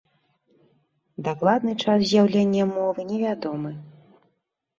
Дакладны час з'яўлення мовы невядомы.